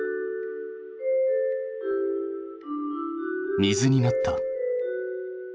水になった。